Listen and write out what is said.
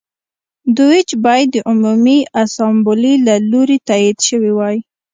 دوج باید د عمومي اسامبلې له لوري تایید شوی وای.